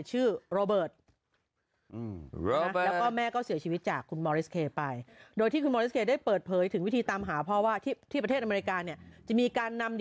เจริญหูเจริญตาแล้วยิ่งกินหนักไปกว่าเดิม